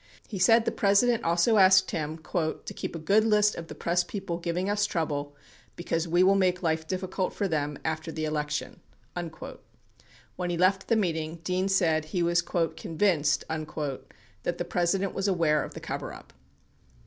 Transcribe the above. He said the President also asked him "to keep a good list of the press people giving us trouble, because we will make life difficult for them after the election." 36 When he left the meeting, Dean said, he was "convinced" that the President was aware of the coverup.